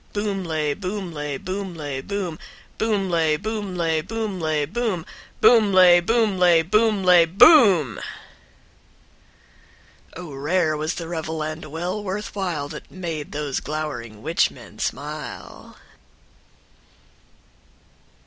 Boomlay, boomlay, boomlay, boom, Boomlay, boomlay, boomlay, boom, Boomlay, boomlay, boomlay, BOOM." # Slow philosophic calm. # Oh rare was the revel, and well worth while That made those glowering witch men smile.